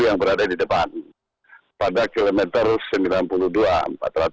yang berada di depan pada kilometer sembilan puluh dua empat ratus